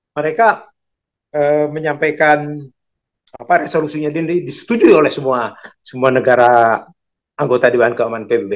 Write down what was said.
mereka menyampaikan resolusinya disetujui oleh semua negara anggota dewan keamanan pbb